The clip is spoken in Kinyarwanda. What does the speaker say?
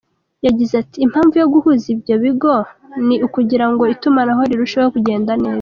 Yagize ati “Impamvu yo guhuza ibigo byombi ni ukugira ngo itumanaho rirusheho kugenda neza.